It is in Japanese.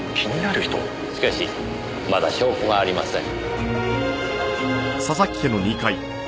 しかしまだ証拠がありません。